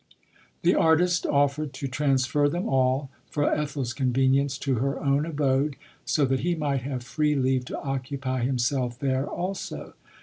The artist offered to transfer them all for Ethel's convenience to her own abode, so that he might have free leave to occupy himself there also.